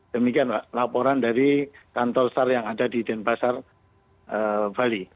demikian mbak laporan dari kantor sar yang ada di denpasar bali